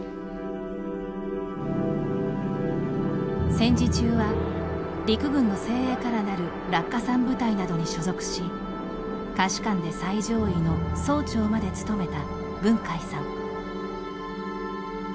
戦時中は、陸軍の精鋭からなる落下傘部隊などに所属し下士官で最上位の曹長まで務めた文海さん。